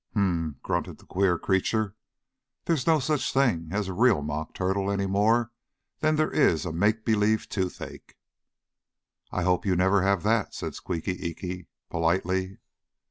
"Hum!" grunted the queer creature. "There's no such thing as a real mock turtle any more than there is a make believe toothache." "I hope you never have that," said Squeaky Eeky, politely.